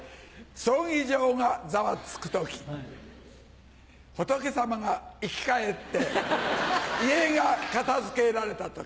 葬儀場がざわつく時仏様が生き返って遺影が片付けられた時。